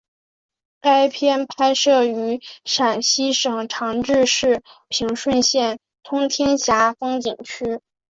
该片拍摄于山西省长治市平顺县通天峡风景区。